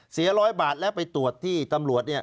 เสีย๑๐๐บาทแล้วไปตรวจที่ตำรวจ